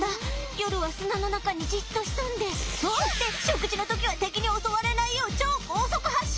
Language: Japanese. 夜は砂の中にじっと潜んでそして食事の時は敵に襲われないよう超高速発射！